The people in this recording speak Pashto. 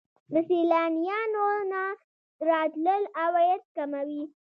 د سیلانیانو نه راتلل عواید کموي.